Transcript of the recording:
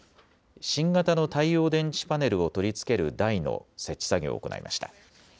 新型の太陽電池パネルを取り付ける台の設置作業を行いました。